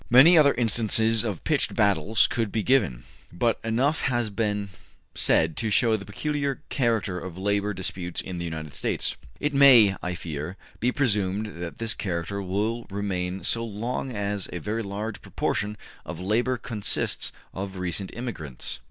Many other instances of pitched battles could be given, but enough has been said to show the peculiar character of labor disputes in the United States. It may, I fear, be presumed that this character will remain so long as a very large proportion of labor consists of recent immigrants.